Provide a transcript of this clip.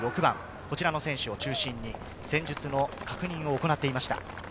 こちらの選手を中心に戦術の確認を行っていました。